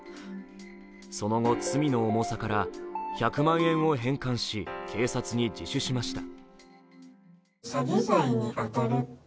その後、罪の重さから１００万円を返還し警察に自首しました。